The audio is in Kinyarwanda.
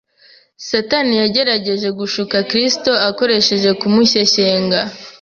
Satani yagerageje gushuka Kristo akoresheje kumushyeshyenga